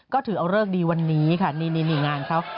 ก็ถือเอาเลิกดีวันนี้ค่ะนี่งานเขา